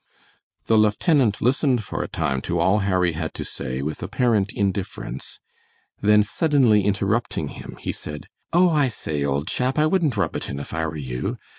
The lieutenant listened for a time to all Harry had to say with apparent indifference, then suddenly interrupting him, he said: "Oh, I say, old chap, I wouldn't rub it in if I were you.